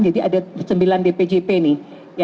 jadi ada sembilan dpjp nih